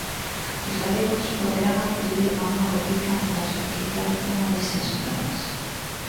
Os galegos poderán acudir a unha botica para solicitar unha destas probas.